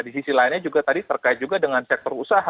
di sisi lainnya juga tadi terkait juga dengan sektor usaha